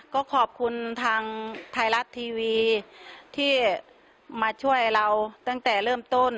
ก็ขอบคุณทางไทยรัฐทีวีที่มาช่วยเราตั้งแต่เริ่มต้น